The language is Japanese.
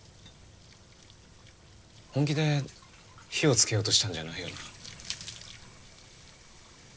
本気で火をつけようとしたんじゃないよな？